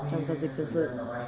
trong giao dịch sân sự